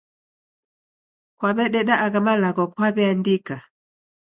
Kwaw'ededa agha malagho kwaw'eandika?